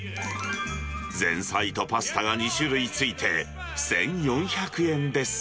前菜とパスタが２種類ついて１４００円です。